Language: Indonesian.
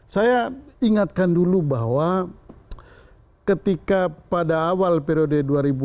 saya ingatkan dulu bahwa ketika pada awal periode dua ribu empat belas dua ribu sembilan belas